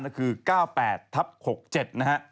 ก็คือ๙๘ทับ๖๗นะฮะ